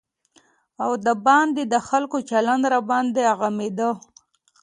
او د باندې د خلکو چلند راباندې غمېده.